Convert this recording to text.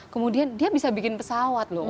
kemudian dia bisa bikin pesawat loh